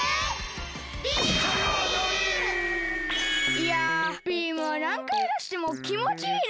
いやビームはなんかいだしてもきもちいいね。